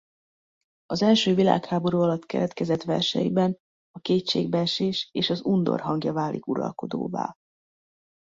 Az első világháború alatt keletkezett verseiben a kétségbeesés és az undor hangja válik uralkodóvá.